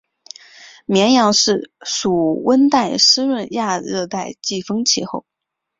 绵阳市属温暖湿润的亚热带季风气候。